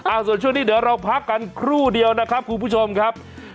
ส่วนช่วงนี้เดี๋ยวเราพักกันครู่เดียวนะครับคุณผู้ชมครับ